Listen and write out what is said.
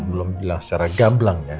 belom bilang secara gablangnya